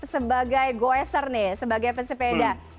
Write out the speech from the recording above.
sebagai goizer nih sebagai pesepeda